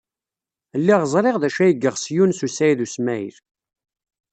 Lliɣ ẓriɣ d acu ay yeɣs Yunes u Saɛid u Smaɛil.